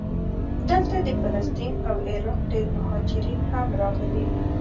دلته د فلسطین او عراق ډېر مهاجرین هم راغلي.